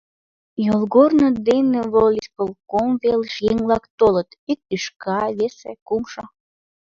Йолгорно дене волисполком велыш еҥ-влак толыт: ик тӱшка, весе, кумшо...